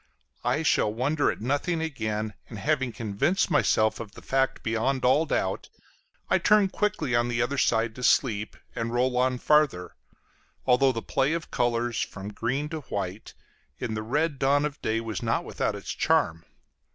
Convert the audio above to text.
I shall wonder at nothing again, and having convinced myself of the fact beyond all doubt, I turned quickly on the other side to sleep and roll on farther, although the play of colors from green to white in the red dawn of day was not without its charm.